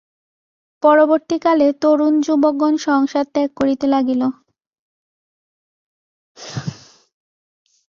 পরবর্তী কালে তরুণ যুবকগণ সংসার ত্যাগ করিতে লাগিল।